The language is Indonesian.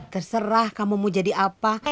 terserah kamu mau jadi apa